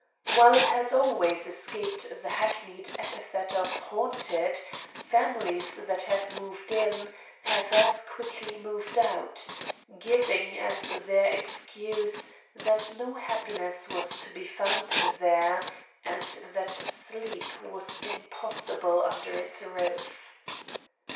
While it has always escaped the hackneyed epithet of "haunted," families that have moved in have as quickly moved out, giving as their excuse that no happiness was to be found there and that sleep was impossible under its roof.